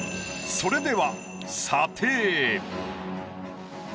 それでは。